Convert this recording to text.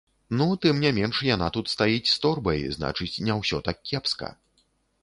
Ну тым не менш яна тут стаіць з торбай, значыць, не ўсё так кепска.